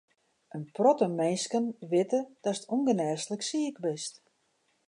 In protte minsken witte datst ûngenêslik siik bist.